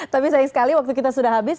tapi sayang sekali waktu kita sudah habis